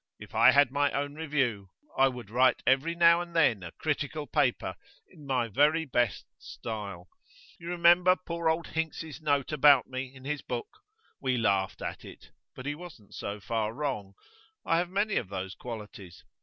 If I had my own review, I would write every now and then a critical paper in my very best style. You remember poor old Hinks's note about me in his book? We laughed at it, but he wasn't so far wrong. I have many of those qualities.